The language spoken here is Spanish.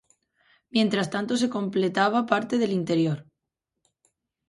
Mientras tanto se completaba parte del interior.